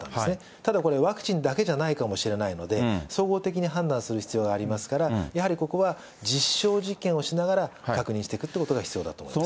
ただこれ、ワクチンだけじゃないかもしれないので、総合的に判断する必要がありますから、やはりここは、実証実験をしながら、確認していくということが必要だと思います。